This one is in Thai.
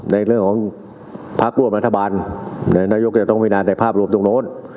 ในเรื่องของภาคร่วมนัฐบาลในนายกิจตรงพินัทในภาพรวมทุกโน้ต